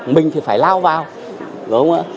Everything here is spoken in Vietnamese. mình thì phải lao vào đúng không ạ